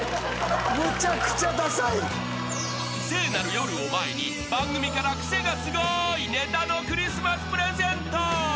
［聖なる夜を前に番組からクセがスゴいネタのクリスマスプレゼント］